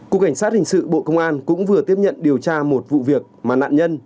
cục cảnh sát hình sự bộ công an cũng vừa tiếp nhận điều tra một vụ việc mà nạn nhân